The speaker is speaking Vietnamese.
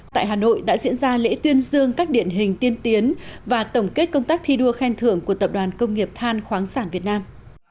tại hà nội đã diễn ra lễ tuyên dương các điển hình tiên tiến và tổng kết công tác thi đua khen thưởng của tập đoàn công nghiệp than khoáng sản việt nam